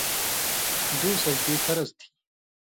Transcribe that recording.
دو سجدی فرض تھی۔